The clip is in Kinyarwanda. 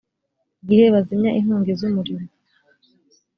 gihe bazimya inkongi z umuriro